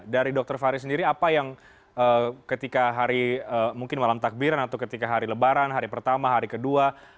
dari dr fari sendiri apa yang ketika hari mungkin malam takbiran atau ketika hari lebaran hari pertama hari kedua